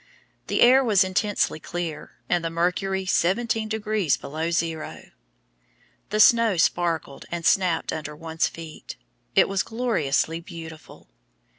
The air was intensely clear, and the mercury SEVENTEEN DEGREES BELOW ZERO! The snow sparkled and snapped under one's feet. It was gloriously beautiful!